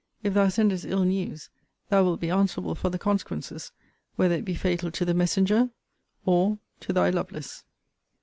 If thou sendest ill news, thou wilt be answerable for the consequences, whether it be fatal to the messenger, or to Thy LOVELACE.